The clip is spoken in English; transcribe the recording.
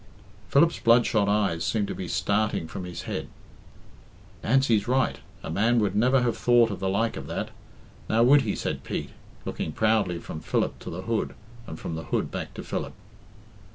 Philip's bloodshot eyes seemed to be starting from his head. "Nancy's right a man would never have thought of the like of that now, would he?" said Pete, looking proudly from Philip to the hood, and from the hood back to Philip.